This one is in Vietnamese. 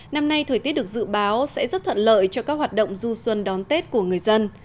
năm nay thời tiết được dự báo sẽ rất thuận lợi cho các hoạt động du xuân đón tết của người dân